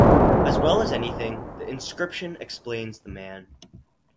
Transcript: As well as anything, the inscription explains the man.